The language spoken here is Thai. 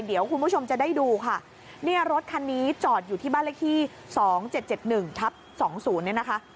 เดี๋ยวคุณผู้ชมจะได้ดูค่ะรถคันนี้จอดอยู่ที่บรรคี๒๗๗๑ทับ๒๐นะคะ